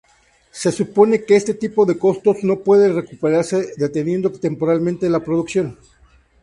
Se supone que este tipo de costos no pueden recuperarse deteniendo temporalmente la producción.